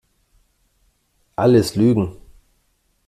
Alles Lügen!